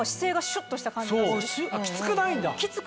きつくないんだ？